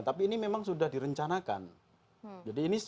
tapi ini memang sudah direncanakan tapi ini memang sudah direncanakan